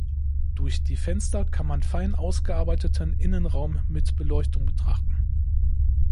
Durch die Fenster kann man fein ausgearbeiteten Innenraum mit Beleuchtung betrachten.